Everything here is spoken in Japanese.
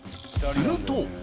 すると。